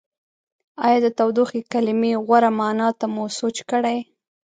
ایا د تودوخې کلمې غوره معنا ته مو سوچ کړی؟